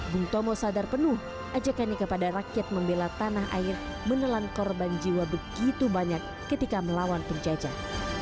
bung tomo sadar penuh ajakannya kepada rakyat membela tanah air menelan korban jiwa begitu banyak ketika melawan penjajah